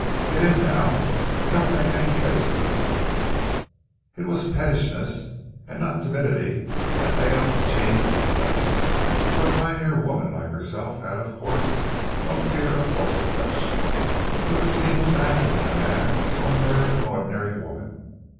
Get in now and don't make any faces about it." It was pettishness and not timidity that ailed Jean Lovelace, for a pioneer woman like herself had of course no fear of horse flesh. But the team was acting in a manner to unnerve an ordinary woman.